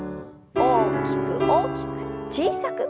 大きく大きく小さく。